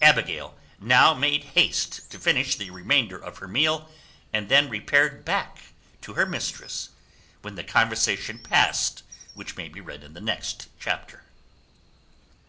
Abigail now made haste to finish the remainder of her meal, and then repaired back to her mistress, when the conversation passed which may be read in the next chapter.